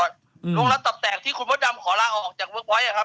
ล้วงรับตับแตกที่คุณหลวดดำขอลากออกจากเวิร์กไวท์อะครับ